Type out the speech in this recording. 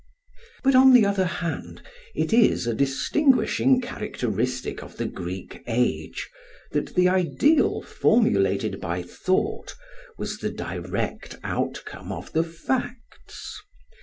But on the other hand it is a distinguishing characteristic of the Greek age that the ideal formulated by thought was the direct outcome of the facts.